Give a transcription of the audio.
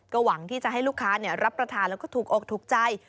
หวังที่จะให้ลูกค้ารับประทานแล้วก็ถูกอกถูกใจ